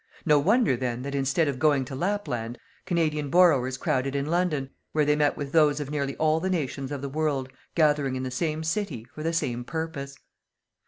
No wonder then that instead of going to Lapland, Canadian borrowers crowded in London, where they met with those of nearly all the nations of the world, gathering in the same city for the same purpose.